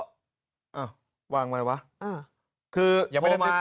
อ้าววางมันไงวะ